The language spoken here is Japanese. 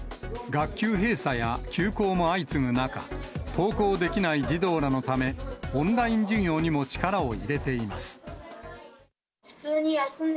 学級閉鎖や休校も相次ぐ中、登校できない児童らのため、オンライン授業にも力を入れています。